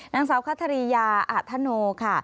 นางสาวคัทริยาอธโนค่ะ